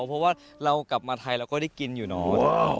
เพราะว่าเรากลับมาไทยเราก็ได้กินอยู่เนอะ